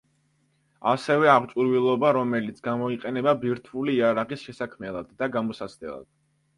ასევე, აღჭურვილობა, რომელიც გამოიყენება ბირთვული იარაღის შესაქმნელად და გამოსაცდელად.